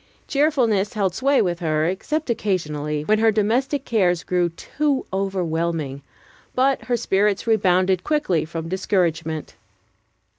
Cheerfulness held sway with her, except occasionally, when her domestic cares grew too overwhelming; but her spirits rebounded quickly from discouragement.